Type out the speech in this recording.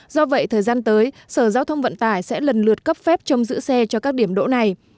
sở giao thông vận tải sẽ lần lượt cấp phép trông giữ xe cho các điểm đỗ này